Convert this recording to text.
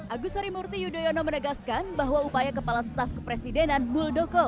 agus harimurti yudhoyono menegaskan bahwa upaya kepala staf kepresidenan buldoko